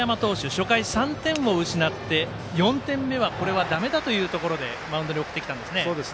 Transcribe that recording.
初回３点を失って４点目はだめだというところでマウンドに送ってきたんですね。